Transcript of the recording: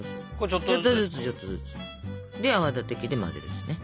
ちょっとずつちょっとずつ。で泡立て器で混ぜるんですね。